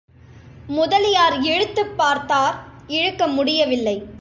முதலியார் இழுத்துப் பார்த்தார் இழுக்க முடியவில்லை.